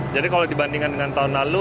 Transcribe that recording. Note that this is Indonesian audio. jadi kalau dibandingkan dengan tahun lalu